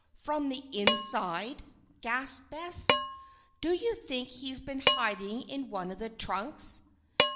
"From the inside?" gasped Bess. "Do you think he's been hiding in one of the trunks?"